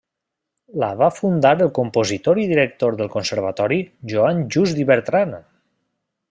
La va fundar el compositor i director del Conservatori, Joan Just i Bertran.